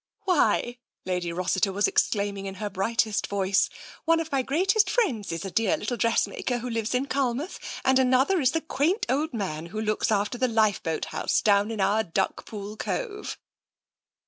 " Why,'' Lady Rossiter was exclaiming in her brightest voice, " one of my greatest friends is a dear little dressmaker who lives in Culmouth, and another is the quaint old man who looks after the lifeboat house down in our Duckpool Cove."